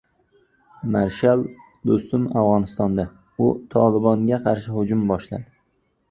Marshal Do‘stum Afg‘onistonda! U “Tolibon”ga qarshi hujum boshladi